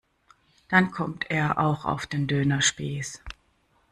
Dann kommt er auch auf den Dönerspieß.